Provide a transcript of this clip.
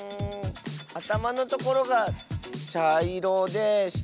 あたまのところがちゃいろでしたがしろ？